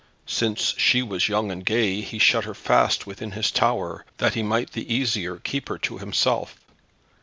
Since she was young and gay, he shut her fast within his tower, that he might the easier keep her to himself.